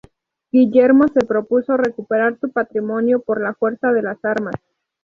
Guillermo se propuso recuperar su patrimonio por la fuerza de las armas.